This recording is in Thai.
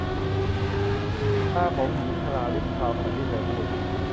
ตาของหญิงชราลุกพราวขณะที่เธอพูด